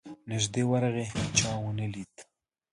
نیژدې ورغی هېچا ونه لید.